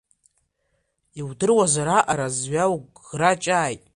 Иудыруазар аҟара зҩа уӷрачааит…